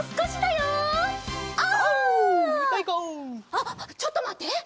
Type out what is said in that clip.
あっちょっとまって！